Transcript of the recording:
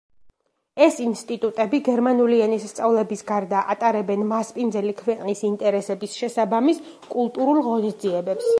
ეს ინსტიტუტები, გერმანული ენის სწავლების გარდა, ატარებენ მასპინძელი ქვეყნის ინტერესების შესაბამის კულტურულ ღონისძიებებს.